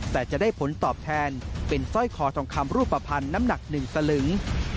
แต่จะได้ผลตอบแทนเป็นสร้อยคอทองคำรูปภัณฑ์น้ำหนัก๑สลึง